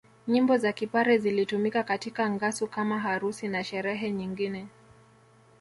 Nyimbo za Kipare zilitumika katika ngasu kama harusi na sherehe nyingine